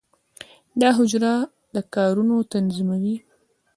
د حجره د کارونو تنظیموي.